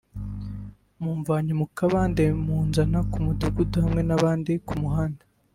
mumvanye mu kabande munzana ku mudugudu hamwe n’abandi ku muhanda